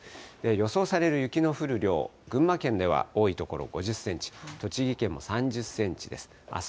予想される雪の降る量、群馬県では多い所５０センチ、栃木県も３０センチです。